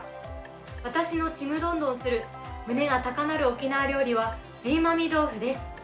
私の、ちむどんどんする胸が高鳴る沖縄料理はジーマーミ豆腐です。